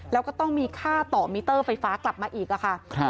แล้วก็ต้องมีค่าต่อมิเตอร์ไฟฟ้ากลับมาอีกค่ะ